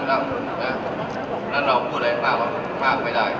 แล้วก็มากได้